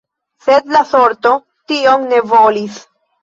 Sed la sorto tion ne volis.